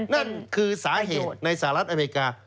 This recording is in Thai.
นั่นคือสาเหตุในสหรัฐอเมริกา